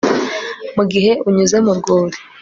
mugihe unyuze mu rwuri